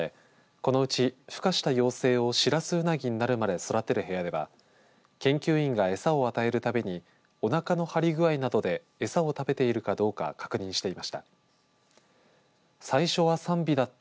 このうちふ化した幼生をシラスウナギになるまで育てる部屋では研究員が餌を与えるためにおなかの張り具合などで餌を食べているかどうかを確認していました。